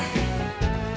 nanti aku coba